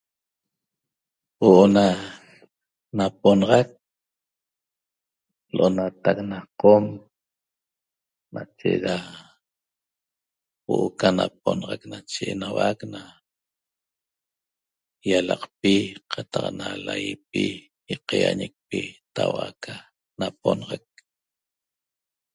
Huo'o na naponaxac l'onatac na Qom nache da huo'o ca naponaxac nache enauac na ýalaqpi qataq na laýipi ýqaýañicpi tau'a ca naponaxac